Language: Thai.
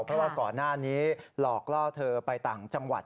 เพราะว่าก่อนหน้านี้หลอกล่อเธอไปต่างจังหวัด